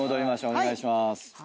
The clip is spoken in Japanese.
お願いしまーす。